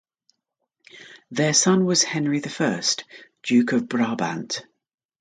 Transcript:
Their son was Henry the First, Duke of Brabant.